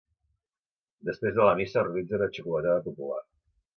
Després de la missa es realitza una xocolatada popular.